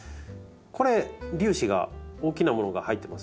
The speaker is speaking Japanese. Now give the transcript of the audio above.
これ粒子が大きなものが入ってますよね。